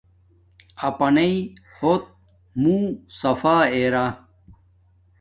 اپناݵ ہوت منہ صفا ارا